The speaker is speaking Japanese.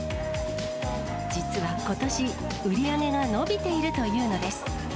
実はことし、売り上げが伸びているというのです。